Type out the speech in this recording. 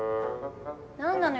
何なのよ